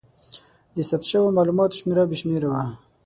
د ثبت شوو مالوماتو شمېر بې شمېره و.